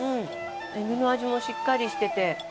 えびの味もしっかりしてて。